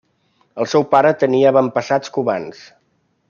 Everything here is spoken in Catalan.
El seu pare tenia avantpassats cubans.